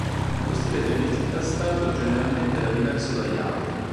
Lo stile di ogni città-stato, generalmente era diverso dagli altri.